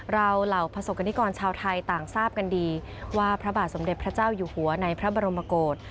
เหล่าประสบกรณิกรชาวไทยต่างทราบกันดีว่าพระบาทสมเด็จพระเจ้าอยู่หัวในพระบรมโกศ